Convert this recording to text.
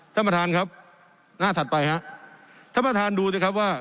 ท่านประธานครับหน้าถัดไปฮะท่านประธานดูสิครับว่า